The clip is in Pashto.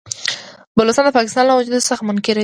بلوڅان د پاکستان له وجود څخه منکر دي.